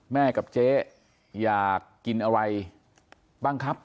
แม่กับเจ๊อยากกินอะไรบ้างครับ